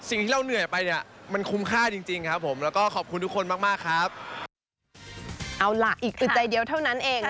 อีกอึดใจเดียวเท่านั้นเอง